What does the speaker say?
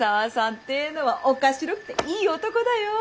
ってえのはおかしろくていい男だよ。